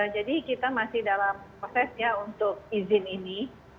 jadi kita masih dalam prosesnya untuk izin ini